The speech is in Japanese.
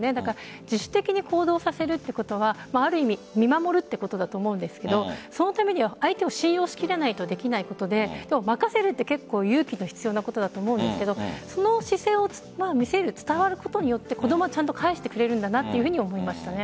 自主的に行動させるということはある意味、見守るということだと思うんですがそのためには相手を信用しきらないとできないことで任せるって結構勇気が必要なことだと思うんですけどその姿勢を見せる伝わることによって子供はちゃんと返してくれるんだなと思いましたね。